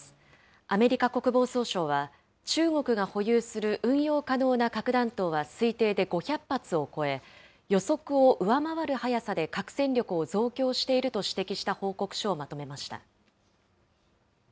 アメリカ国防総省は中国が保有する運用可能な核弾頭は推定で５００発を超え、予測を上回る速さで核戦力を増強していると指摘した報告書をまとめました。